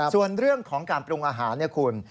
ส่วนเรื่องของการปรุงอาหาร